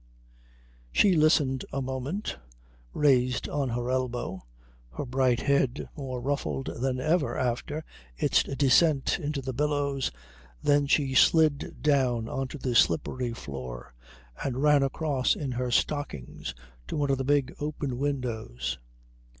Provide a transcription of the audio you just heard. She listened a moment, raised on her elbow, her bright head more ruffled than ever after its descent into the billows, then she slid down on to the slippery floor and ran across in her stockings to one of the big open windows.